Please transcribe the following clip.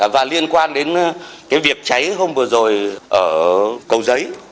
và liên quan đến cái việc cháy hôm vừa rồi ở cầu giấy